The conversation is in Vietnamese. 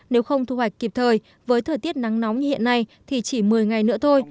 nếu không thu hoạch kịp thời với thời tiết nắng nóng như hiện nay thì chỉ một mươi ngày nữa thôi